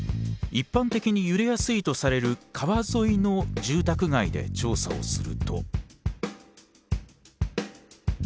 一般的に揺れやすいとされる川沿いの住宅街で調査をすると。